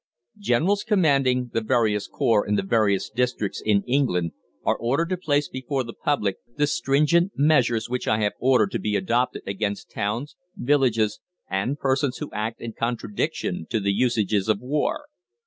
GENERALS COMMANDING the various corps in the various districts in England are ordered to place before the public the stringent measures which I have ordered to be adopted against towns, villages, and persons who act in contradiction to the usages of war.